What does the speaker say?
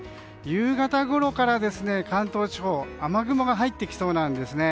夕方ごろから関東地方は雨雲が入ってきそうなんです。